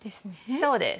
そうです。